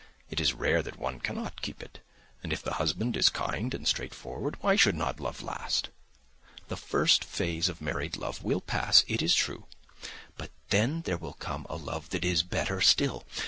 It is rare that one cannot keep it. And if the husband is kind and straightforward, why should not love last? The first phase of married love will pass, it is true, but then there will come a love that is better still.